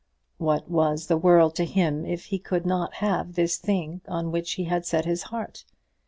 What was the world to him if he could not have this thing on which he had set his heart?